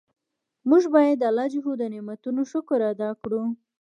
مونږ باید د الله ج د نعمتونو شکر ادا کړو.